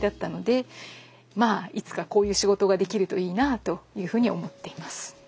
あいつかこういう仕事ができるといいなぁというふうに思っています。